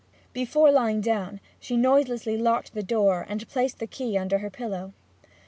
Before lying down, she noiselessly locked the door and placed the key under her pillow.